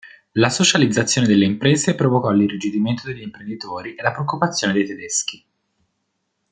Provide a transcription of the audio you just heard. La socializzazione delle imprese provocò l'irrigidimento degli imprenditori e la preoccupazione dei tedeschi.